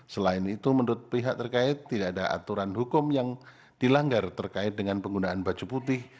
selain itu menurut pihak terkait tidak ada aturan hukum yang dilanggar terkait dengan penggunaan baju putih